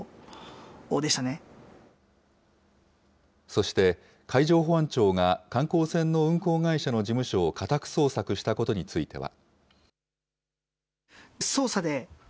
そして、海上保安庁が観光船の運航会社の事務所を家宅捜索したことについては。